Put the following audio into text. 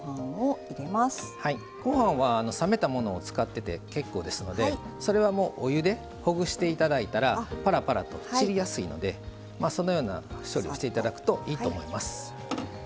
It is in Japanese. ご飯は、冷めたものを使ってて結構ですので、それはお湯で、ほぐしていただいたらぱらぱらと散りやすいのでそのような処理をしていただくといいと思います。